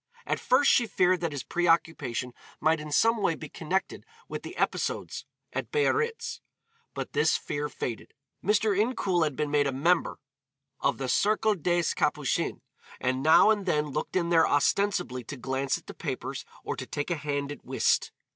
At first she feared that his preoccupation might in some way be connected with the episodes at Biarritz, but this fear faded. Mr. Incoul had been made a member of the Cercle des Capucines, and now and then looked in there ostensibly to glance at the papers or to take a hand at whist.